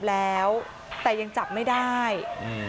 และเข้ามาไหน